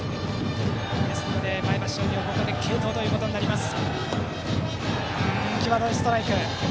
ですので、前橋商業はここで継投となります。